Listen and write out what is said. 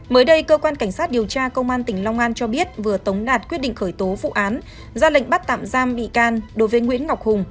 mới đây cơ quan cảnh sát điều tra công an tỉnh long an cho biết vừa tống đạt quyết định khởi tố vụ án ra lệnh bắt tạm giam bị can đối với nguyễn ngọc hùng